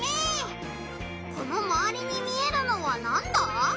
このまわりに見えるのはなんだ？